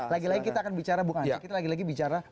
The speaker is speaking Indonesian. lagi lagi kita akan bicara bung aceh kita lagi lagi bicara